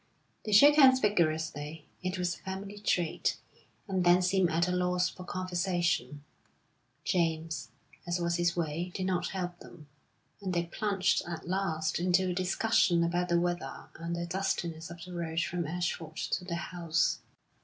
They shook hands vigorously (it was a family trait), and then seemed at a loss for conversation; James, as was his way, did not help them, and they plunged at last into a discussion about the weather and the dustiness of the road from Ashford to their house.